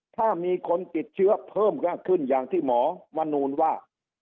ถ้ามีคนติดเชื้อเพิ่มมากขึ้นอย่างที่หมอมนูลว่า